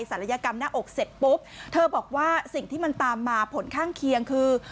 ยกรรมหน้าอกเสร็จปุ๊บเธอบอกว่าสิ่งที่มันตามมาผลข้างเคียงคือ